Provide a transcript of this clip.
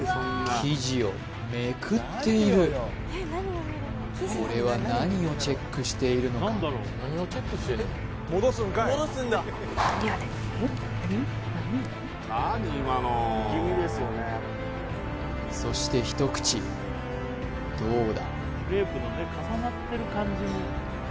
生地をめくっているこれは何をチェックしているのかそして一口どうだ？